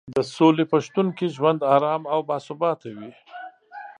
د سولې په شتون کې ژوند ارام او باثباته وي.